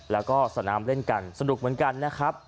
แล้วก็สนามเล่นกันสนุกเหมือนกันนะครับ